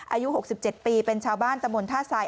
อายุ๖๗ปีเป็นชาวบ้านตะมนต์ท่าทราย